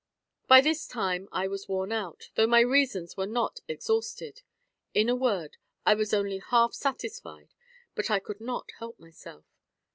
By this time I was worn out, though my reasons were not exhausted. In a word, I was only half satisfied, but I could not help myself.